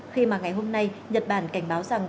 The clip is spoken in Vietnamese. khi mà ngày hôm nay nhật bản cảnh báo rằng